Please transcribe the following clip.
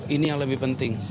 ini yang lebih penting